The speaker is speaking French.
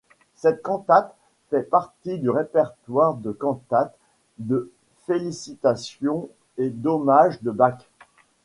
Cette cantate fait partie du répertoire de cantates de félicitations et d'hommage de Bach.